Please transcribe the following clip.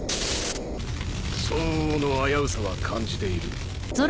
相応の危うさは感じている。